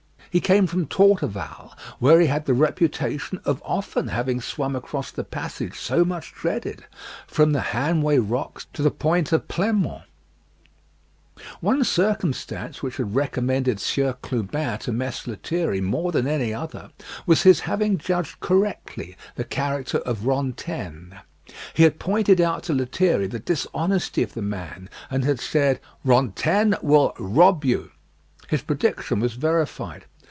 He came from Torteval, where he had the reputation of often having swum across the passage so much dreaded, from the Hanway rocks to the point of Pleinmont. One circumstance which had recommended Sieur Clubin to Mess Lethierry more than any other, was his having judged correctly the character of Rantaine. He had pointed out to Lethierry the dishonesty of the man, and had said "Rantaine will rob you." His prediction was verified.